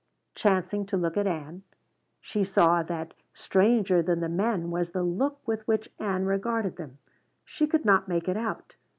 Chancing to look at Ann, she saw that stranger than the men was the look with which Ann regarded them. She could not make it out.